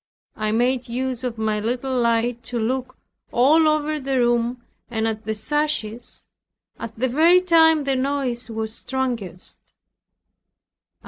I made use of my little light to look all over the room and at the sashes, at the very time the noise was strongest.